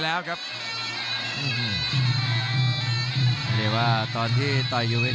และอัพพิวัตรสอสมนึก